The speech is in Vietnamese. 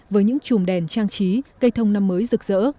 với những chùm đèn trang trí cây thông năm mới rực rỡ